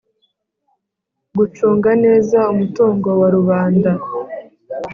gucunga neza umutungo wa rubanda